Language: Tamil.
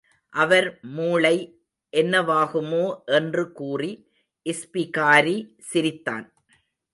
அவர் மூளை என்ன வாகுமோ என்று கூறி இஸ்பிகாரி சிரித்தான்.